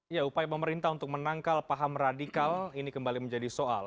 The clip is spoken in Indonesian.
ya upaya pemerintah untuk menangkal paham radikal ini kembali menjadi soal